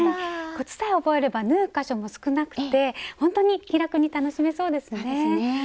コツさえ覚えれば縫う箇所も少なくてほんとに気楽に楽しめそうですね。